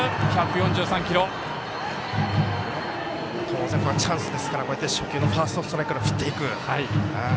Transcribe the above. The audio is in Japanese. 当然これはチャンスですから初球のファーストストライクから振っていく。